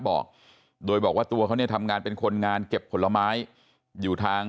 บอกโดยบอกว่าตัวเขาเนี่ยทำงานเป็นคนงานเก็บผลไม้อยู่ทาง